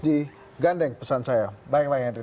digandeng pesan saya baik baik